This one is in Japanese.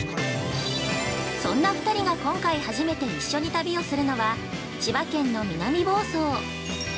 そんな２人が、今回初めて一緒に旅をするのは、千葉県の南房総。